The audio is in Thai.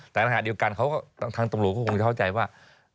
แต่ค่ะเดียวกันเขาก็ทั้งตำรวจก็เข้าใจว่า